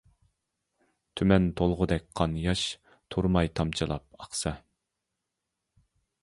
تۈمەن تولغۇدەك قان-ياش، تۇرماي تامچىلاپ ئاقسا.